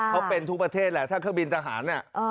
เขาเป็นทุกประเทศแหละถ้าเครื่องบินทหารเนี่ย